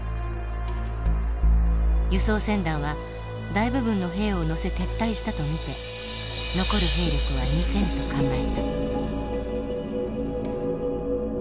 輸送船団は大部分の兵を乗せ撤退したと見て残る兵力は２，０００と考えた。